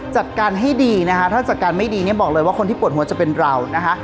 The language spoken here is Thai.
จัดการให้ดีนะคะถ้าจัดการไม่ดีเนี่ยบอกเลยว่าคนที่ปวดหัวจะเป็นเรานะคะ